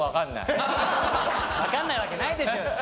分かんないわけないでしょうよ。